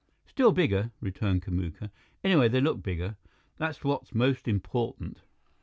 "Still bigger," returned Kamuka. "Anyway, they look bigger. That's what's most important."